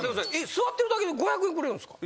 座ってるだけで５００円くれるんですか？